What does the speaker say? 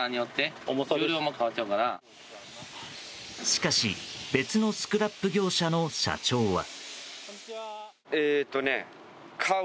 しかし別のスクラップ業者の社長は。